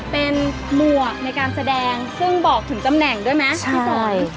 เป็นหมวกในการแสดงซึ่งบอกถึงตำแหน่งด้วยไหมพี่จอย